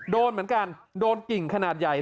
โดนเหมือนกันโดนกิ่งขนาดใหญ่